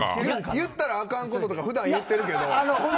言ったらあかんことか普段言ってるけど。